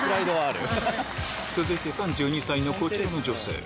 続いて３２歳のこちらの女性。